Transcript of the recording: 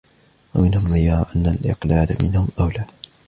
وَمِنْهُمْ مَنْ يَرَى أَنَّ الْإِقْلَالَ مِنْهُمْ أَوْلَى